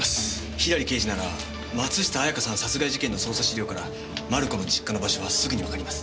左刑事なら松下綾香さん殺害事件の捜査資料からマルコの実家の場所はすぐにわかります。